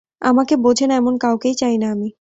আমাকে বোঝেনা এমন কাউকেই চাই না আমি।